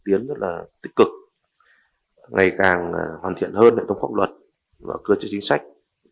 tiến rất là tích cực ngày càng hoàn thiện hơn hệ thống pháp luật và cơ chế chính sách